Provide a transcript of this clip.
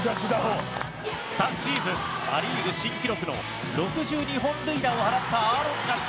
昨シーズンア・リーグ新記録の６２本塁打を放ったアーロン・ジャッジ。